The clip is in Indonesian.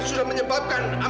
itu lelaki yang berkeras tibur